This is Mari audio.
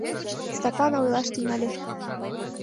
Стапан ойлаш тӱҥале: